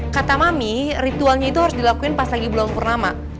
kata mami ritualnya itu harus dilakuin pas lagi bulan purnama